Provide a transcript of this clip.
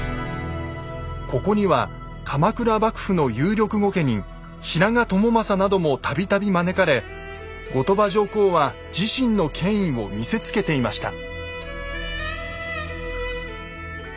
ここには鎌倉幕府の有力御家人平賀朝雅なども度々招かれ後鳥羽上皇は自身の権威を見せつけていました。